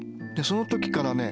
その時からね